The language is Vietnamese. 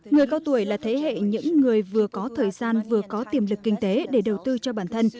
người cao tuổi là thế hệ những người vừa có thời gian vừa có tiềm lực kinh tế để đầu tư cho bản thân